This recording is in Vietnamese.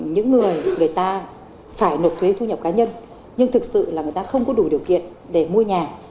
những người người ta phải nộp thuế thu nhập cá nhân nhưng thực sự là người ta không có đủ điều kiện để mua nhà